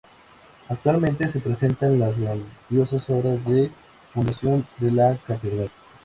Actualmente, se presentan las grandiosas obras de fundación de la catedral.